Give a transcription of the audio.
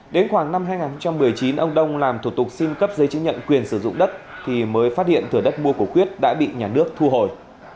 đến khoảng năm hai nghìn một mươi chín ông đông làm thủ tục xin cấp giấy chứng nhận quyền sử dụng đất thì mới phát hiện thửa đất mua của quyết đã bị nhà nước thu hồi